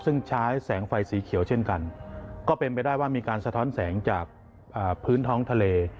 ซึ่งใช้แสงไฟสีเขียวเช่นกันก็เป็นไปได้ว่ามีการสะท้อนแสงจากพื้นท้องทะเล